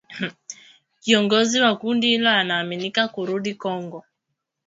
Kiongozi wa kundi hilo anaaminika kurudi Kongo